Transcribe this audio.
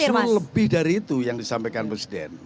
justru lebih dari itu yang disampaikan presiden